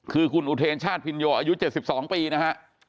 คือคุณอุเทนชาติพินโยอายุ๗๒ปีนะฮะ